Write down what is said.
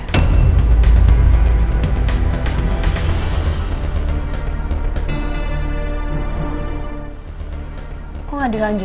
kalau aku bisa jadi orangnya